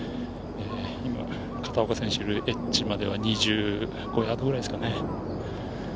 片岡選手のエッジまでは２５ヤードくらいですからね。